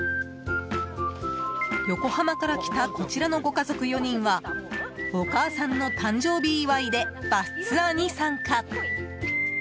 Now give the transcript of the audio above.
横浜から来たこちらのご家族４人はお母さんの誕生日祝いでバスツアーに参加。